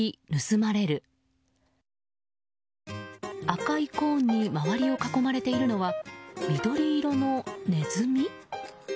赤いコーンに周りを囲まれているのは緑色のネズミ？